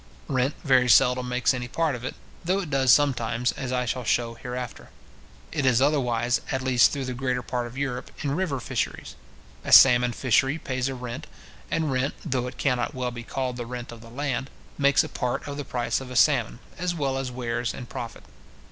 Rent very seldom makes any part of it, though it does sometimes, as I shall shew hereafter. It is otherwise, at least through the greater part of Europe, in river fisheries. A salmon fishery pays a rent; and rent, though it cannot well be called the rent of land, makes a part of the price of a salmon, as well as wares and profit.